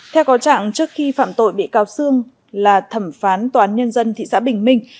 theo có trạng trước khi phạm tội bị cáo sương là thẩm phán tòa án nhân dân thị xã bình minh